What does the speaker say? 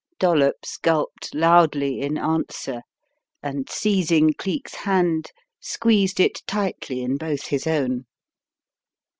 Dollops gulped loudly in answer and seizing Cleek's hand, squeezed it tightly in both his own.